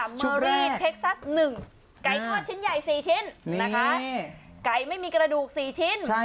เมอรี่เทคซัสหนึ่งไก่คอดชิ้นใหญ่สี่ชิ้นนะคะไก่ไม่มีกระดูกสี่ชิ้นใช่ค่ะ